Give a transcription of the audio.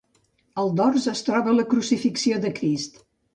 Al dors es troba la Crucifixió de Crist.